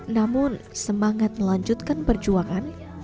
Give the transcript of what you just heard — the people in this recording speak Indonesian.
namun semangat melanjutkan perjuangan